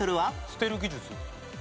『「捨てる！」技術』。